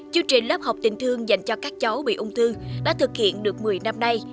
chương trình lớp học tình thương dành cho các cháu bị ung thư đã thực hiện được một mươi năm nay